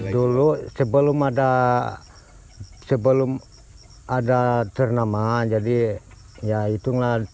dulu sebelum ada ternama jadi ya hitunglah